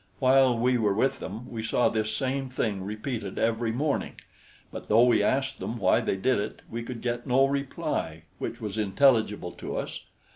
While we were with them, we saw this same thing repeated every morning; but though we asked them why they did it we could get no reply which was intelligible to us.